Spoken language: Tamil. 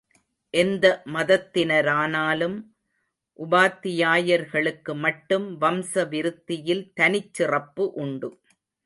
எந்த மதத்தினரானாலும், உபாத்தியாயர்களுக்கு மட்டும் வம்ச விருத்தியில் தனிச் சிறப்பு உண்டு.